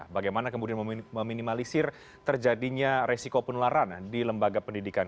bagaimana kemudian meminimalisir terjadinya resiko penularan di lembaga pendidikan